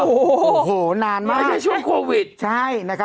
โอ้โหนานมาก